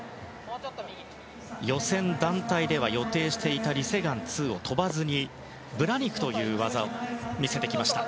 予選団体では予定していたリ・セグァン２を跳ばずにブラニクという技を見せてきました。